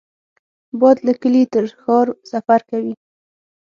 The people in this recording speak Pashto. باد له کلي تر ښار سفر کوي